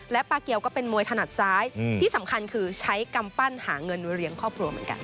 ปลาเกียวก็เป็นมวยถนัดซ้ายที่สำคัญคือใช้กำปั้นหาเงินเลี้ยงครอบครัวเหมือนกัน